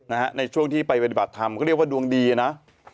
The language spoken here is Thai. ในช่วงที่ไปปฏิบัติธรรมก็เรียกว่าดวงดีนะ